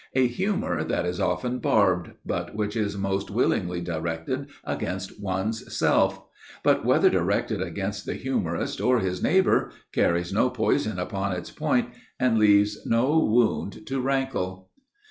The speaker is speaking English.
A humor that is often barbed, but which is most willingly directed against one's self; but, whether directed against the humorist or his neighbor, carries no poison upon its point and leaves no wound to rankle.